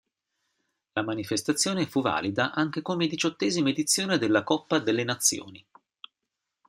La manifestazione fu valida anche come diciottesima edizione della Coppa delle Nazioni.